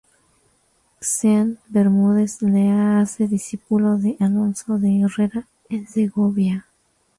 Ceán Bermúdez le hace discípulo de Alonso de Herrera en Segovia.